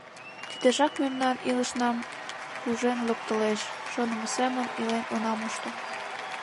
Тидыжак мемнан илышнам пужен локтылеш, шонымо семын илен она мошто.